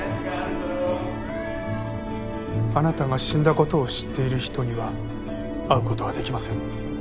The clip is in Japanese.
・あなたが死んだことを知っている人には会うことはできません。